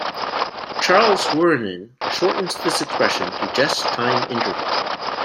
Charles Wuorinen shortens this expression to just time interval.